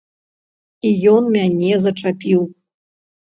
І ён мяне зачапіў.